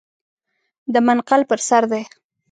د منقل پر سر دی .